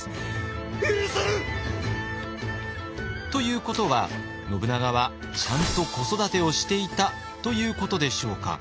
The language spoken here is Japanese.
ということは信長はちゃんと子育てをしていたということでしょうか。